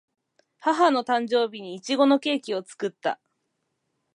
母の誕生日にいちごのケーキを作った